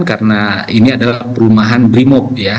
karena ini adalah perumahan brimop